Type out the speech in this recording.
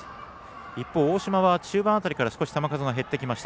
一方、大嶋は中盤辺りから少し球数が減ってきました。